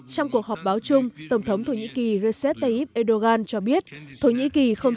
trong cuộc họp báo chung tổng thống thổ nhĩ kỳ recep tayyip erdogan cho biết thổ nhĩ kỳ không